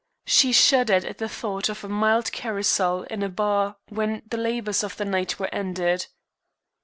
She shuddered at the thought of a mild carousal in a bar when the labors of the night were ended.